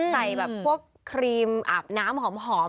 ใส่แบบพวกครีมอาบน้ำหอม